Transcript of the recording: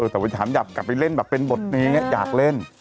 แต่ไปถามอยากกลับไปเล่นแบบเป็นบทนี้อยากเล่น